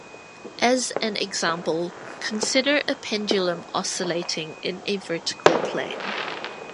As an example, consider a pendulum oscillating in a vertical plane.